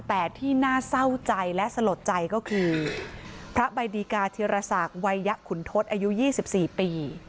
แต่ที่น่าเศร้าใจและสลดใจก็คือพระบายดีกาธิรษักร์ไวยะขุนทศอายุยี่สิบสี่ปี